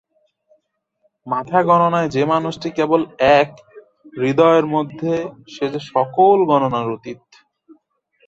মাথা গণনায় যে মানুষটি কেবল এক, হৃদয়ের মধ্যে সে যে সকল গণনার অতীত।